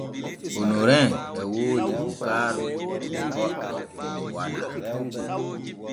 Onorin e woodi bukaaru nu goɗɗo walaa.